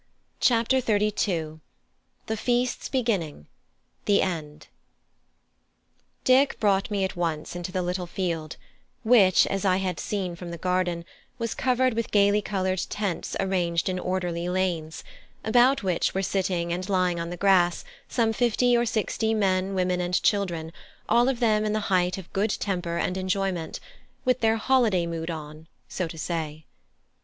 CHAPTER XXXII: THE FEAST'S BEGINNING THE END Dick brought me at once into the little field which, as I had seen from the garden, was covered with gaily coloured tents arranged in orderly lanes, about which were sitting and lying on the grass some fifty or sixty men, women, and children, all of them in the height of good temper and enjoyment with their holiday mood on, so to say.